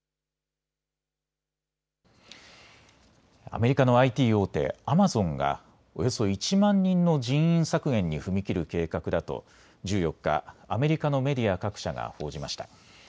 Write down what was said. アメリカのＩＴ大手、アマゾンがおよそ１万人の人員削減に踏み切る計画だと１４日、アメリカのメディア各社が報じました。